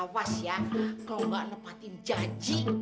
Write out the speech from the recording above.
awas ya kalau nggak nepatin janji